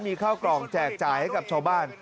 มีข้าวกล่องแจกจ่ายให้กับชาวบ้าน